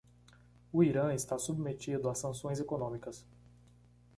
O Irã está submetido a sanções econômicas